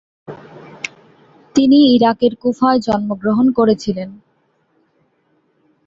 তিনি ইরাকের কুফায় জন্মগ্রহণ করেছিলেন।